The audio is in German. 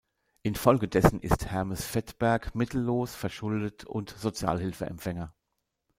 Infolgedessen ist Hermes Phettberg mittellos, verschuldet und Sozialhilfeempfänger.